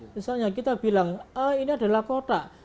misalnya kita bilang ini adalah kota